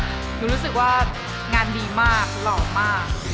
หนูรู้สึกว่างานดีมากหล่อมาก